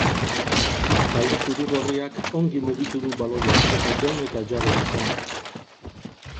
Talde zuri-gorriak ongi mugitu du baloia eta jaun eta jabe izan da.